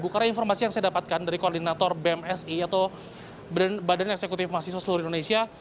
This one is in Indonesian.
karena informasi yang saya dapatkan dari koordinator bmsi atau badan eksekutif mahasiswa seluruh indonesia